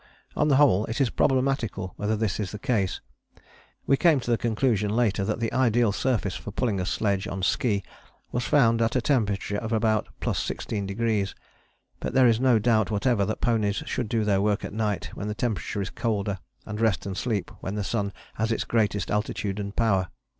On the whole, it is problematical whether this is the case we came to the conclusion later that the ideal surface for pulling a sledge on ski was found at a temperature of about +16°. But there is no doubt whatever that ponies should do their work at night, when the temperature is colder, and rest and sleep when the sun has its greatest altitude and power.